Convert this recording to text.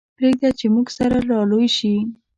پرېږده چې موږ سره را لوی شي.